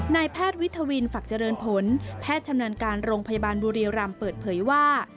นายแพทย์วิทวินฝักเจริญผลแพทย์ชำนาญการโรงพยาบาลบุรีรำเปิดเผยว่า